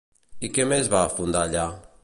I què més va fundar allà?